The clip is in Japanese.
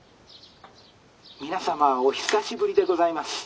「皆様お久しぶりでございます。